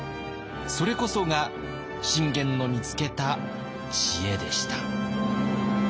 それこそが信玄の見つけた知恵でした。